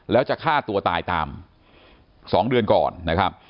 แล้วจะฆ่าตัวตายตาม๒เดือนก่อนนะครับ